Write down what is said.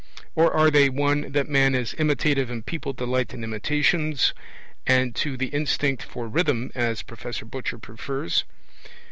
Or are they (1) that man is imitative and people delight in imitations, and (2) the instinct for rhythm, as Professor Butcher prefers?